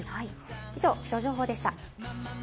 以上、気象情報でした。